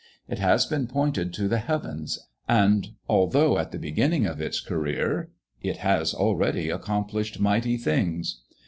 It has been pointed to the heavens; and, although in the beginning of its career, it has already accomplished mighty things.